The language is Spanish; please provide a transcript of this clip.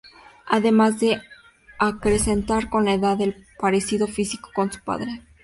Además de acrecentar, con la edad, el parecido físico con su padre.